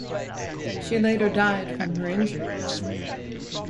She later died from her injuries.